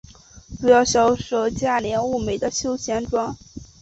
主要销售价廉物美的休闲装。